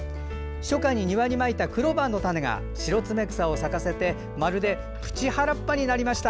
初夏に庭にまいたクローバーの種がシロツメクサを咲かせてまるでプチ原っぱになりました。